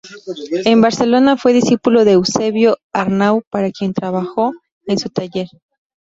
En Barcelona, fue discípulo de Eusebio Arnau, para quien trabajó en su taller.